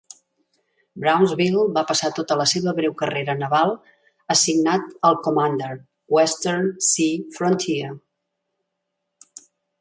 "Brownsville" va passar tota la seva breu carrera naval assignat al commander, Western Sea Frontier.